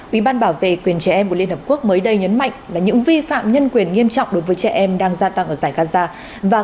ủy ban bảo vệ quyền trẻ em của liên hợp quốc mới đây nhấn mạnh là những vi phạm nhân quyền nghiêm trọng đối với trẻ em đang gia tăng ở giải gaza